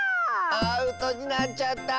アウトになっちゃった。